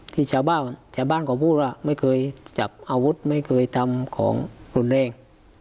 ที่ชาวบ้านชาวบ้านเขาพูดว่าไม่เคยจับอาวุธไม่เคยทำของรุนแรง